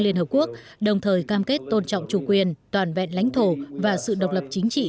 liên hợp quốc đồng thời cam kết tôn trọng chủ quyền toàn vẹn lãnh thổ và sự độc lập chính trị